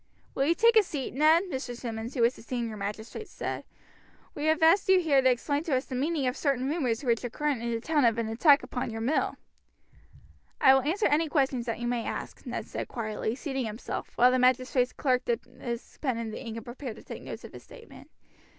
"Will you take a seat, Ned?" Mr. Simmonds, who was the senior magistrate, said. "We have asked you here to explain to us the meaning of certain rumors which are current in the town of an attack upon your mill." "I will answer any questions that you may ask," Ned said quietly, seating himself, while the magistrates' clerk dipped his pen in the ink and prepared to take notes of his statement.